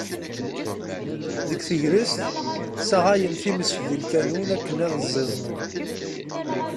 Deg tegrest, ssaɣayen times deg lkanun akken ad ẓẓiẓnen.